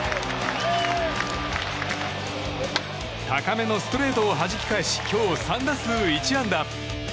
高めのストレートをはじき返し今日３打数１安打。